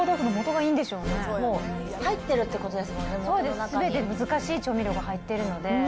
すべて難しい調味料が入ってるので。